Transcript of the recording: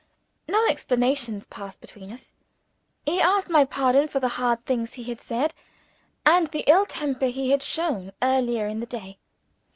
No explanations passed between us. He asked my pardon for the hard things he had said, and the ill temper he had shown, earlier in the day.